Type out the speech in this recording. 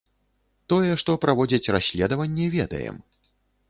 Тое, што праводзяць расследаванне, ведаем.